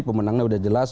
pemenangnya sudah jelas